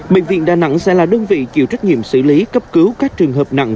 bệnh viện đà nẵng sẽ là đơn vị chịu trách nhiệm xử lý cấp cứu các trường hợp nặng